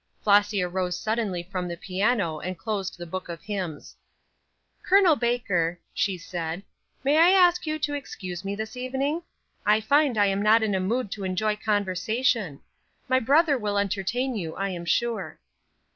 Flossy arose suddenly from the piano, and closed the book of hymns. "Col. Baker," she said, "may I ask you to excuse me this evening? I find I am not in a mood to enjoy conversation; my brother will entertain you, I am sure."